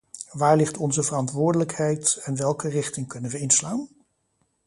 Waar ligt onze verantwoordelijkheid en welke richting kunnen we inslaan?